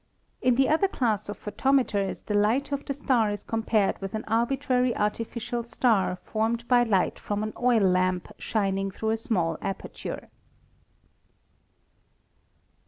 In the other class of photometers the light of the star is compared with an arbitrary artificial star formed by light from an oil lamp shining through a small aperture.